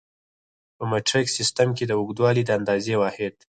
په مټریک سیسټم کې د اوږدوالي د اندازې واحد